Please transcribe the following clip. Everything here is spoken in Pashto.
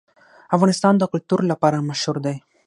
افغانستان د کلتور لپاره مشهور دی.